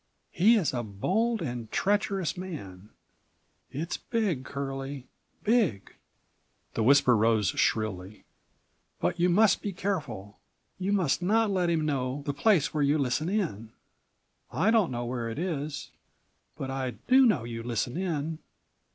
He is a bold and treacherous man. It's big, Curlie, big!" The whisper rose shrilly. "But you must be careful. You must not let him know the place where you listen in. I don't know where it is. But I do know you listen in.